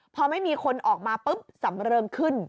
พอไม่มีคนออกมาปุ๊บสำเริงขึ้น